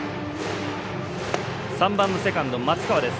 ３番セカンド松川です。